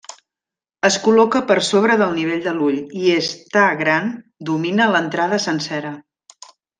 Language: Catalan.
Es col·loca per sobre del nivell de l'ull, i és ta gran domina l'entrada sencera.